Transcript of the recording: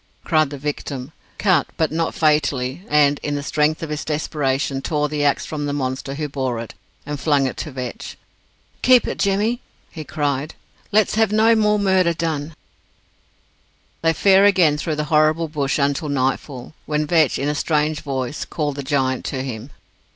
cried the victim, cut, but not fatally, and in the strength of his desperation tore the axe from the monster who bore it, and flung it to Vetch. "Keep it, Jemmy," he cried; "let's have no more murder done!" They fare again through the horrible bush until nightfall, when Vetch, in a strange voice, called the giant to him.